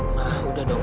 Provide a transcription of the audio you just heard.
ma udah dong